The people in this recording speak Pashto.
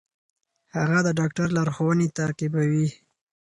هغه د ډاکټر لارښوونې تعقیبوي.